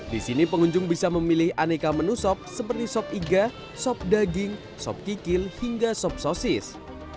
di sini pengunjung bisa memilih aneka menu sob seperti sob iga sob daging sob kikil hingga sob sosis